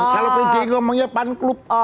kalau ide ngomongnya fan club